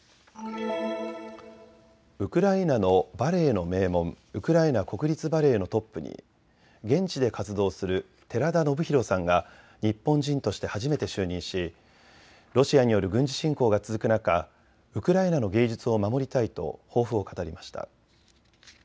ウクライナのバレエの名門、ウクライナ国立バレエのトップに現地で活動する寺田宜弘さんが日本人として初めて就任しロシアによる軍事侵攻が続く中、ウクライナの芸術を守りたいと抱負を語りました。